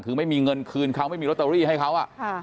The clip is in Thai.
คือไม่มีเงินคืนเขาไม่มีลอตเตอรี่ให้เขา